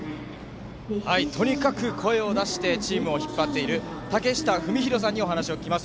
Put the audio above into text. とにかく声を出してチームを引っ張っているたけしたふみひろさんにお話を聞きます。